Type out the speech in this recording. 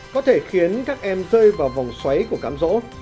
có thể khiến các em rơi vào vòng xoáy của cám rỗ